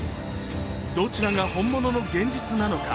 どちらが本物の現実なのか。